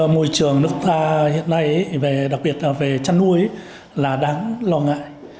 môi trường nước ta hiện nay đặc biệt là về chăn nuôi là đáng lo ngại